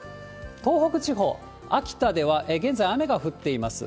東北地方、秋田では現在雨が降っています。